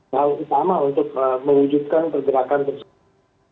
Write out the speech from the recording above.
hal itu sama untuk mewujudkan pergerakan tersebut